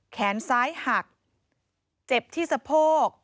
แขนซ้ายหักเจ็บที่สะโพก